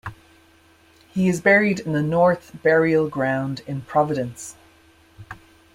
He is buried in the North Burial Ground in Providence.